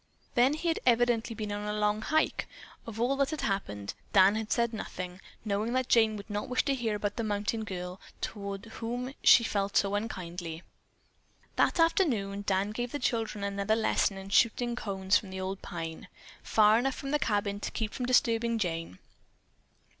Then he had evidently been on a long hike. Of all that had happened Dan had said nothing, knowing that Jane would not wish to hear about the mountain girl, toward whom she felt so unkindly. That afternoon Dan gave the children another lesson at shooting cones from an old pine, far enough from the cabin to keep from disturbing Jane.